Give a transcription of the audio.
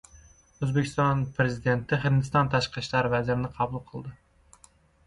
O‘zbekiston Prezidenti Hindiston tashqi ishlar vazirini qabul qildi